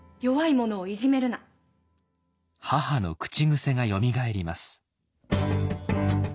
母の口癖がよみがえります。